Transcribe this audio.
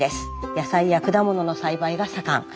野菜や果物の栽培が盛ん。